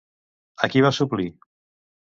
A qui va suplir?